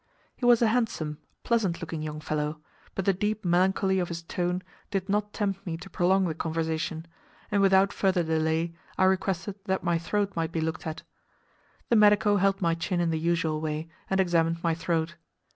He was a handsome, pleasant looking young fellow, but the deep melancholy of his tone did not tempt me to prolong the conversation, and without further delay I requested that my throat might be looked at. The medico held my chin in the usual way, and examined my throat.